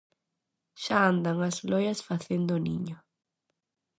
Xa andan as loias facendo o niño.